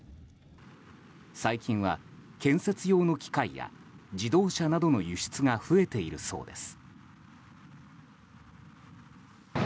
最近は、建設用の機械や自動車などの輸出が増えているそうです。